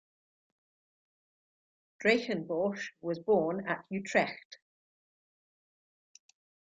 Drakenborch was born at Utrecht.